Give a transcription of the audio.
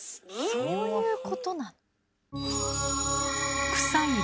そういうことなの？